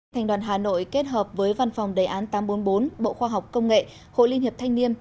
thành đoàn hà nội kết hợp với văn phòng đề án tám trăm bốn mươi bốn bộ khoa học công nghệ hội liên hiệp thanh niên